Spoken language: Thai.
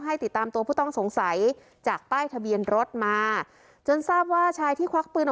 ให้ติดตามตัวผู้ต้องสงสัยจากป้ายทะเบียนรถมาจนทราบว่าชายที่ควักปืนออก